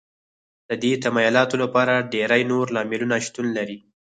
د دې تمایلاتو لپاره ډېری نور لاملونو شتون لري